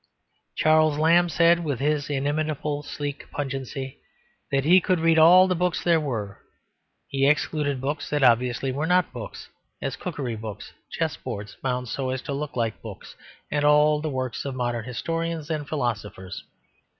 Charles Lamb said with his inimitable sleek pungency that he could read all the books there were; he excluded books that obviously were not books, as cookery books, chessboards bound so as to look like books, and all the works of modern historians and philosophers.